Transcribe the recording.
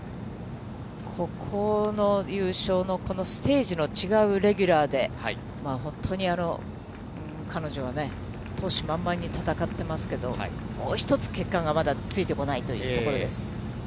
ここの優勝のステージの違うレギュラーで、本当に彼女はね、闘志満々に戦ってますけど、もう一つ、結果がまだついてこないというところです。